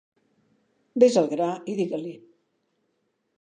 Vés al gra i digues-li.